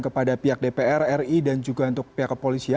kepada pihak dpr ri dan juga untuk pihak kepolisian